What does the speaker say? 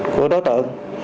của đối tượng